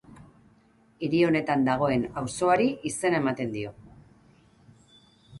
Hiri honetan dagoen auzoari izena ematen dio.